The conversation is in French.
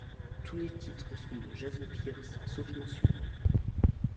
Tous les titres sont de Jason Pierce, sauf mentions.